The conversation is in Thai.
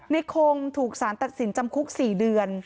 คงถูกสารตัดสินจำคุก๔เดือน